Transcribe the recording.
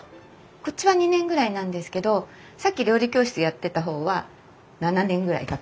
こっちは２年ぐらいなんですけどさっき料理教室やってた方は７年ぐらいかかりました。